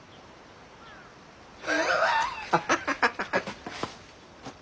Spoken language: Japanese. ハハハハハハッ。